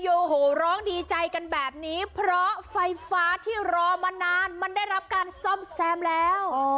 โอ้โหร้องดีใจกันแบบนี้เพราะไฟฟ้าที่รอมานานมันได้รับการซ่อมแซมแล้ว